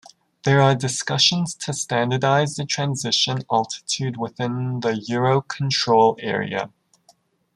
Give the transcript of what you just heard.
There are discussions to standardize the transition altitude within the Eurocontrol area.